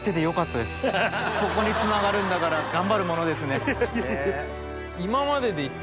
ここにつながるんだから頑張るものですね。